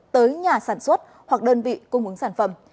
tới nhà sản xuất hoặc đơn vị cung ứng sản phẩm